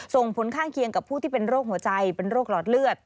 ส่งผลข้างเคียงกับผู้ที่เป็นโรคหัวใจเป็นโรคหลอดเลือด